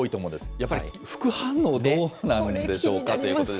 やっぱり副反応、どうなんでしょうかということで。